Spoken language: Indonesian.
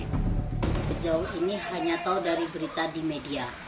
sejauh ini hanya tahu dari berita di media